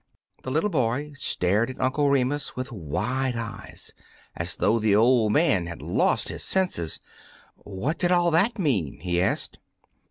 " y The little boy stared at Uncle Remus with wide eyes, as though the old man had lost his senses. "What did all that mean?" he asked.